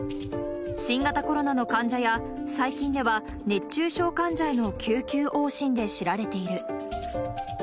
新型コロナの患者や、最近では、熱中症患者への救急往診で知られている。